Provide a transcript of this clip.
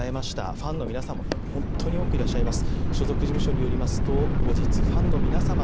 ファンの皆さんも本当に多くいらっしゃいます